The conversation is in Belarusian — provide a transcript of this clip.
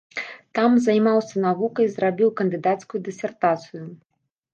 Там займаўся навукай, зрабіў кандыдацкую дысертацыю.